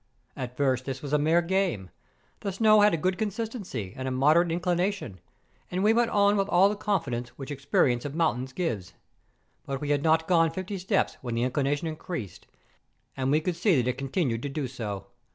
At first this was a mere game; the snow had a good consistency and a moderate inclina¬ tion ; and we went on with all the confidence which experience of mountains gives. But we had not gone fifty steps when the inclination increased ; and we could see that it continued to do so.